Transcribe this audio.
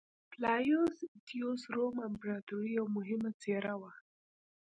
فلاویوس اتیوس روم امپراتورۍ یوه مهمه څېره وه